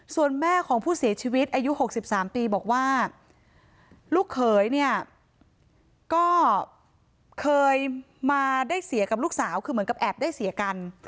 ส่วนแม่ของผู้เสียชีวิตอายุ๖๓ปีบอกว่าลูกเขยเนี่ยก็เคยมาได้เสียกับลูกสาวคือเหมือนกับแอบได้เสียกัน